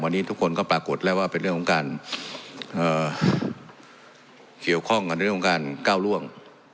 วันนี้ทุกคนก็ปรากฏแล้วว่าเป็นเรื่องของการเกี่ยวข้องกันในเรื่องของการก้าวร่วง